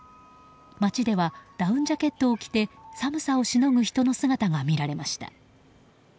街ではダウンジャケットを着て寒さをしのぐ人の姿が見られました。